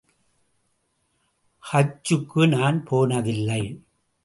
ஹஜ் ஜுக்கு நான் போனதில்லை.